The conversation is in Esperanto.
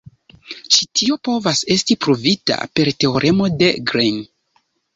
Ĉi tio povas esti pruvita per teoremo de Green.